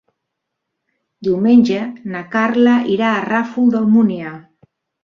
Diumenge na Carla irà al Ràfol d'Almúnia.